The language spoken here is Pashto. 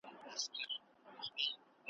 زه د رباب زه د شهباز په ژبه نظم لیکم .